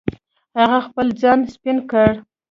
هغه خپل ځان سپین کړ.